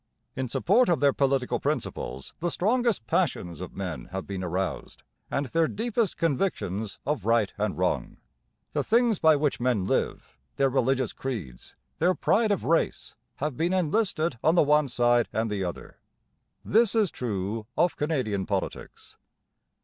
In support of their political principles the strongest passions of men have been aroused, and their deepest convictions of right and wrong. The things by which men live, their religious creeds, their pride of race, have been enlisted on the one side and the other. This is true of Canadian politics.